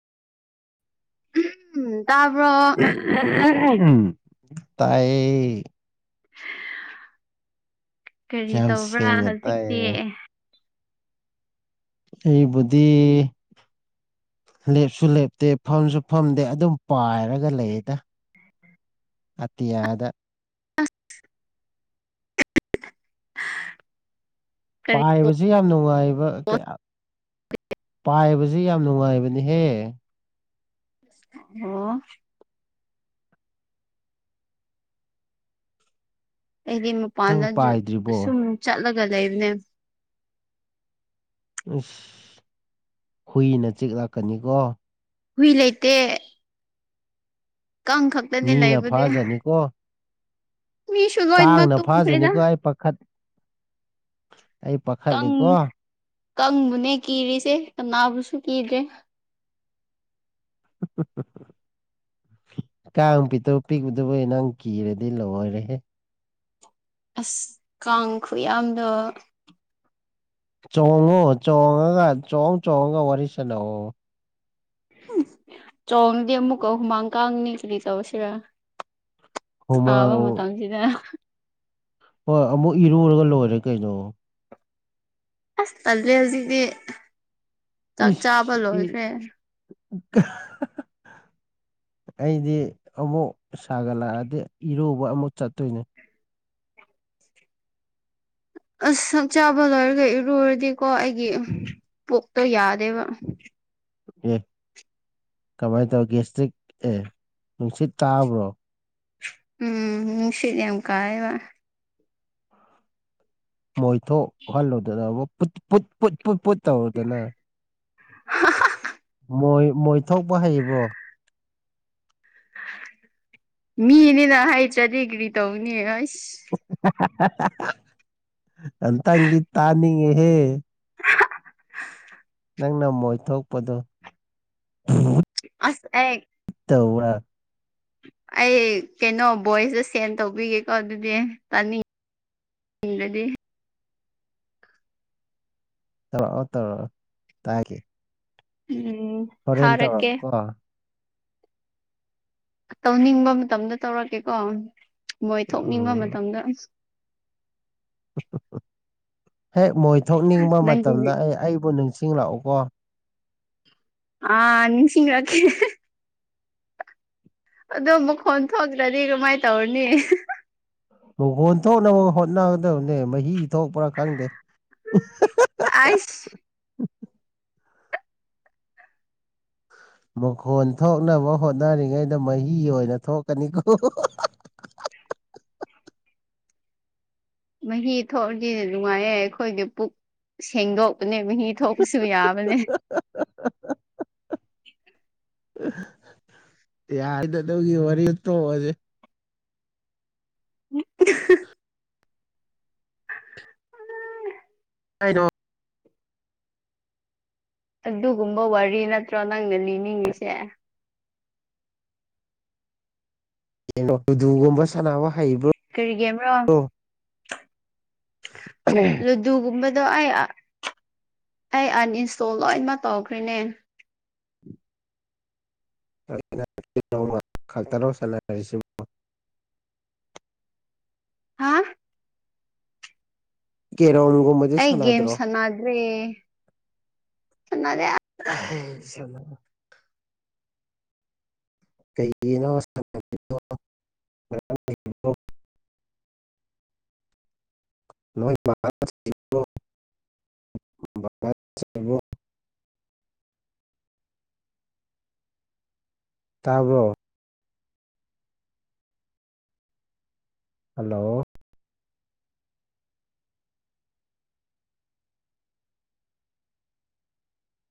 ꯎꯝ ꯇꯥꯕ꯭ꯔꯣ ꯎꯝ ꯇꯥꯏ ꯀꯔꯤ ꯌꯥꯝ ꯇꯧꯕ꯭ꯔꯥ ꯁꯦꯡꯅ ꯍꯧꯖꯤꯛꯇꯤ ꯇꯥꯏꯌꯦ ꯑꯩꯕꯨꯗꯤ ꯂꯦꯞꯁꯨ ꯂꯦꯞꯇꯦ ꯐꯝꯁꯨ ꯐꯝꯗꯦ ꯑꯗꯨꯝ ꯄꯥꯏꯔꯒ ꯂꯩꯌꯦꯗ ꯑꯇꯌꯥꯗ ꯀꯔꯤ ꯄꯥꯏꯕꯕꯁꯤ ꯌꯥꯝ ꯅꯨꯡꯉꯥꯏꯕ ꯀꯌꯥ ꯄꯥꯏꯕꯁꯤ ꯌꯥꯝ ꯅꯨꯡꯉꯥꯏꯕ ꯅꯤ ꯍꯦ ꯑꯣ ꯑꯩꯗꯤ ꯅꯪ ꯃꯄꯥꯟꯗ ꯄꯥꯏꯗ꯭ꯔꯤꯕꯣ ꯁꯨꯝ ꯆꯠꯂꯒ ꯂꯩꯕꯅꯦ ꯑꯁ ꯍꯨꯏꯅ ꯆꯤꯛꯂꯛꯀꯅꯤꯀꯣ ꯍꯨꯏ ꯂꯩꯇꯦ ꯀꯥꯡ ꯈꯛꯇꯅꯦ ꯃꯤꯅ ꯂꯩꯕꯨꯗꯤ ꯐꯥꯖꯅꯤꯀꯣ ꯃꯤꯁꯨ ꯂꯣꯏꯅꯃꯛ ꯀꯥꯡꯅ ꯇꯨꯝꯈ꯭ꯔꯦꯗ ꯐꯥꯖꯅꯤꯀꯣ ꯑꯩ ꯄꯥꯈꯠ ꯑꯩ ꯄꯥꯈꯠꯂꯤꯀꯣ ꯀꯪꯕꯨꯅꯦ ꯀꯤꯔꯤꯁꯦ ꯀꯅꯥꯕꯨꯁꯨ ꯀꯤꯗ꯭ꯔꯦ [unintelligible] ꯀꯥꯡ ꯄꯤꯛꯇꯧ ꯄꯤꯛꯎꯨꯗꯨꯕꯨ ꯅꯪ ꯀꯤꯔꯗꯤ ꯂꯣꯢꯔꯦꯍꯦ ꯑꯁ ꯀꯥꯡ ꯈꯨꯌꯥꯝꯗꯣ ꯆꯣꯡꯉꯣ ꯆꯣꯡꯉꯒ ꯆꯣꯡꯉ ꯆꯣꯡꯉꯒ ꯋꯥꯔꯤ ꯁꯥꯟꯅꯑꯣ ꯆꯣꯡꯗꯤ ꯑꯃꯨꯛꯀ ꯍꯨꯃꯥꯡ ꯀꯥꯡꯅꯤ ꯀꯨꯗꯤ ꯇꯧꯔꯁꯤꯔ ꯁꯕ ꯍꯨꯃꯥꯡ ꯃꯇꯝꯁꯤꯗ ꯍꯣꯏ ꯑꯃꯨꯛ ꯏꯔꯨꯔꯒ ꯂꯣꯏꯔꯦ ꯀꯩꯅꯣ ꯑꯁ ꯇꯜꯂꯦ ꯍꯧꯖꯤꯛꯇꯤ ꯆꯥꯛ ꯆꯥꯕ ꯏꯁ ꯏ ꯂꯣꯏꯈ꯭ꯔꯦ [unintelligible] ꯑꯩꯗꯤ ꯑꯃꯨꯛ ꯁꯥꯒꯠꯂꯛꯑꯗꯤ ꯏꯔꯨꯕ ꯑꯃꯨꯛ ꯆꯠꯇꯣꯏꯅꯦ ꯑꯁ ꯆꯛ ꯆꯥꯕ ꯂꯣꯏꯔꯒ ꯏꯔꯨꯔꯗꯤꯀꯣ ꯑꯩꯒꯤ ꯄꯣꯛꯇ ꯌꯥꯗꯦꯕ [unintelligible] [inaudible] ꯀꯃꯥꯏꯅ ꯇꯧ ꯒꯦꯁꯇ꯭ꯔꯤꯛ ꯑꯦ ꯅꯨꯡꯁꯤꯠ ꯀꯥꯕ꯭ꯔꯣ ꯎꯝ ꯅꯨꯡꯁꯤꯠ ꯌꯥꯝ ꯀꯌꯦꯕ ꯃꯣꯏꯊꯣꯛꯍꯜꯂꯨꯗꯅ ꯑꯃꯨꯛ ꯄꯨꯠ ꯄꯨꯠ ꯇꯧꯔꯨꯗꯅ [unintelligible] ꯃꯣꯢꯏ ꯃꯣꯏ ꯊꯣꯛꯣꯛꯄ ꯍꯩꯕ꯭ꯔꯣ ꯃꯤꯅꯤꯅ ꯍꯥꯏꯇ꯭ꯔꯥ ꯗꯗꯤꯒ꯭ꯔꯤ ꯇꯧꯅꯤ ꯑꯁ ꯑꯇꯪꯒꯤ ꯇꯥꯅꯤꯉꯦꯍꯦ ꯅꯪꯅ ꯃꯣꯏ ꯊꯣꯛꯄꯗꯨꯣ ꯑꯁ ꯑꯦ ꯇꯧꯋꯥ ꯑꯩ ꯀꯩꯅꯣ ꯚꯣꯏꯁꯇ ꯁꯦꯟ ꯇꯧꯕꯤꯒꯦꯀꯣ ꯑꯗꯨꯗꯤ ꯇꯥꯅꯤ ꯎꯗꯗꯤ ꯇꯧꯔꯛꯑꯣ ꯇꯧꯔꯛꯑꯣ ꯇꯒꯦ ꯎꯝ ꯍꯣꯔꯦꯟ ꯊꯥꯔꯛꯀꯦ ꯇꯧꯔꯛꯑꯣꯀꯣ ꯇꯧꯅꯤꯡꯕ ꯃꯇꯝꯗ ꯇꯧꯔꯛꯀꯦꯀꯣ ꯃꯣꯏ ꯊꯣꯛꯅꯤꯡꯕ ꯎꯝ ꯃꯇꯝꯗ ꯑ ꯍꯦꯛ ꯃꯣꯏ ꯊꯣꯛꯅꯤꯡꯕ ꯅꯪꯒꯤꯗꯤ ꯃꯇꯝꯗ ꯑꯩ ꯑꯩꯕꯨ ꯅꯤꯡꯁꯤꯡꯂꯛꯎꯀꯣ ꯑ ꯅꯤꯡꯁꯤꯡ ꯔꯦ ꯑꯗꯣ ꯃꯈꯣꯟ ꯊꯣꯛꯈ꯭ꯔꯗꯤ ꯀꯃꯥꯏꯅ ꯇꯧꯔꯅꯤ ꯃꯨꯈꯣꯟ ꯊꯣꯛꯅꯕ ꯍꯣꯠꯅꯒꯗꯕꯅꯦ ꯃꯍꯤ ꯊꯣꯛꯄ꯭ꯔꯥ ꯈꯪꯗꯦ ꯑꯩꯁ ꯃꯈꯣꯟ ꯊꯣꯛꯅꯕ ꯍꯣꯠꯅꯔꯤꯉꯩꯗ ꯃꯍꯤ ꯑꯣꯏꯅ ꯊꯣꯛꯀꯅꯤꯀꯣ ꯎ ꯃꯍꯤ ꯊꯣꯛꯑꯁꯤꯗꯤ ꯅꯨꯡꯉꯥꯏꯌꯦꯦ ꯑꯩꯈꯣꯏꯗꯤ ꯄꯨꯛ ꯁꯦꯡꯗꯣꯛꯄꯅꯦꯕ ꯃꯍꯤ ꯊꯣꯛꯄꯁꯨ ꯌꯥꯕꯅꯦ ꯌꯥꯏꯗꯗꯧꯒꯤ ꯋꯥꯔꯤ ꯇꯣꯛꯑꯁꯦ ꯎ ꯍꯥꯏꯩꯅꯣ ꯑꯗꯨꯒꯨꯝꯕ ꯋꯥꯔꯤ ꯅꯠꯇ꯭ꯔꯣ ꯅꯪꯅ ꯂꯤꯅꯤꯡꯉꯤꯁꯦ ꯣ ꯇꯨꯗꯒꯨꯝꯕ ꯁꯥꯟꯅꯕ ꯍꯩꯕ꯭ꯔꯣ ꯀꯔꯤꯒꯤ ꯑꯃꯔꯣ ꯂꯗꯨꯒꯨꯝꯕ ꯑꯗꯣ ꯑꯩ ꯑꯩ ꯑꯟꯏꯟꯁꯇꯣꯜ ꯂꯣꯏꯅꯃꯛ ꯇꯧꯈ꯭ꯔꯤꯅꯦ ꯈ ꯇꯔꯣ ꯁꯅꯁꯤ ꯍꯥ ꯀꯦꯔꯣꯝꯒꯨꯝꯕꯗꯤ ꯑꯩ ꯒꯦꯝ ꯁꯥꯟꯅꯗ꯭ꯔꯣ ꯁꯥꯟꯅꯗ꯭ꯔꯦ ꯁꯥꯟꯅꯗꯦ ꯁꯂ ꯀꯩꯩꯅꯣ [unintelligible] [unintelligible] ꯇꯥꯕ꯭ꯔꯣ ꯍꯜꯂꯣ